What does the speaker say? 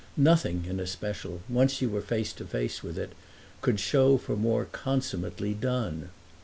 Nothing, in especial, once you were face to face with it, could show for more consummately done.